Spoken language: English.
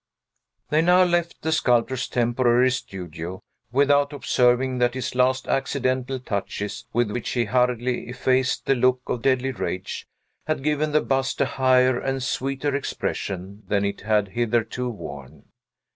They now left the sculptor's temporary studio, without observing that his last accidental touches, with which he hurriedly effaced the look of deadly rage, had given the bust a higher and sweeter expression than it had hitherto worn.